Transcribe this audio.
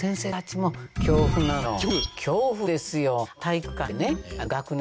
恐怖ですよ。